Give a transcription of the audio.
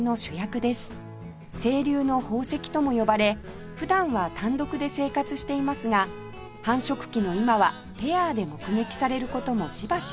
「清流の宝石」とも呼ばれ普段は単独で生活していますが繁殖期の今はペアで目撃される事もしばしば